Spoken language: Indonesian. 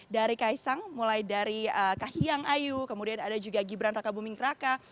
dari kaisang mulai dari kahiyang ayu kemudian ada juga gibran raka buming raka